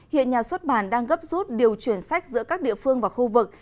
hiện nhà xuất bản đang gấp rút điều chuyển sách giữa các địa phương và khu vực